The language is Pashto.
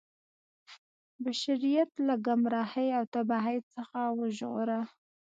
بشریت یې له ګمراهۍ او تباهۍ څخه وژغوره.